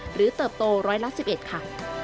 หรือเติบโต๑๑๑ค่ะ